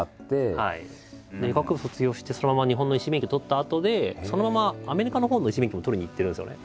医学部卒業してそのまま日本の医師免許取ったあとでそのままアメリカのほうの医師免許も取りに行ってるんですよね。